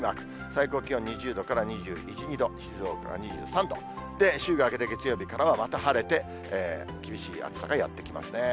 最高気温２０度から２１、２度、静岡は２３度、週が明けて月曜日からは、また晴れて、厳しい暑さがやって来ますね。